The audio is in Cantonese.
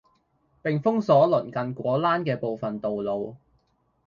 並封鎖鄰近果欄嘅部分道路